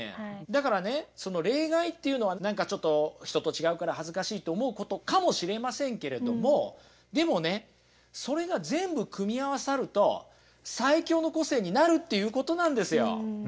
だからねその例外っていうのは何かちょっと人と違うから恥ずかしいと思うことかもしれませんけれどもでもねそれが全部組み合わさると最強の個性になるっていうことなんですよ。